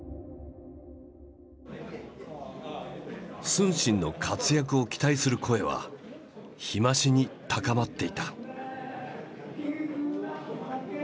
承信の活躍を期待する声は日増しに高まっていた。